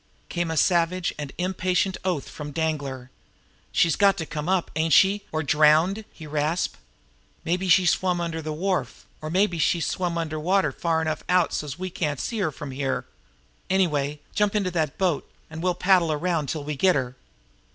Came a savage and impatient oath from Danglar. "She's got to come up, ain't she or drown!" he rasped. "Maybe she's swum under the wharf, or maybe she's swum under water far enough out so's we can't see her from here. Anyway, jump into that boat there, and we'll paddle around till we get her."